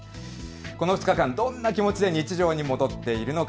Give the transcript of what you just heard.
この２日間、どんな気持ちで日常に戻っているのか